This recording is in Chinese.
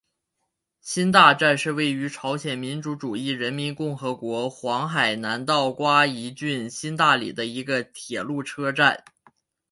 新大站是位于朝鲜民主主义人民共和国黄海南道瓜饴郡新大里的一个铁路车站。